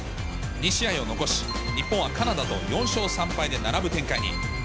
２試合を残し、日本はカナダと４勝３敗で並ぶ展開に。